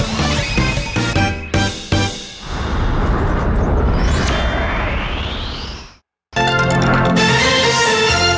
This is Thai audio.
โปรดติดตามตอนต่อไป